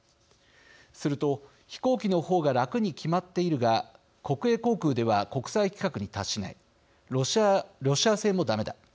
すると、飛行機の方が楽に決まっているが国営航空では国際規格に達しないロシア製もだめだ。